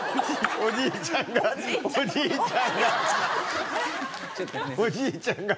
おじいちゃんが。